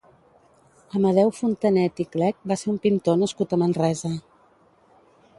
Amadeu Fontanet i Clec va ser un pintor nascut a Manresa.